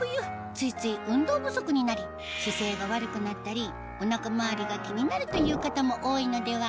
ついつい運動不足になり姿勢が悪くなったりお腹周りが気になるという方も多いのでは？